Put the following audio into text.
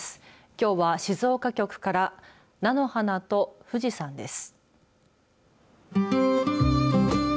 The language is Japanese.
きょうは静岡局から菜の花と富士山です。